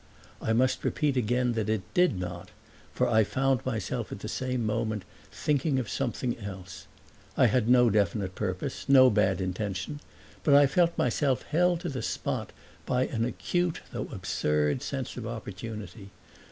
I must repeat again that it did not, for I found myself at the same moment thinking of something else. I had no definite purpose, no bad intention, but I felt myself held to the spot by an acute, though absurd, sense of opportunity.